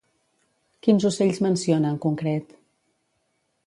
Quins ocells menciona en concret?